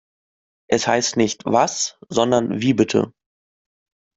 Es heißt nicht “Was“ sondern “Wie bitte“